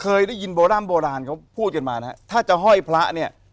เคยได้ยินโบร่ำโบราณเขาพูดกันมานะฮะถ้าจะห้อยพระเนี่ย